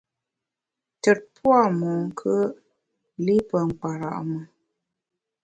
Tùt pua’ monkùe’, li pe nkpara’ mùn.